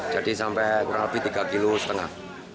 jadi sampai kurang lebih tiga lima km